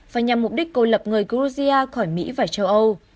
và nhằm mục đích cô lập người georgia khỏi mỹ